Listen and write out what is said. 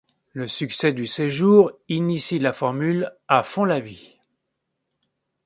Le succès du séjour initie la formule A fond la vie.